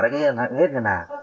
không có gì thu